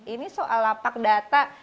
ini soal lapak data